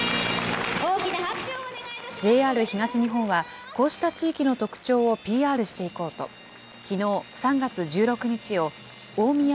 ＪＲ東日本は、こうした地域の特徴をＰＲしていこうと、きのう３月１６日をおおみや